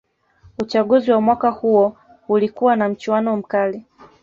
uchaguzi wa mwaka huo ulikuwa na mchuano mkali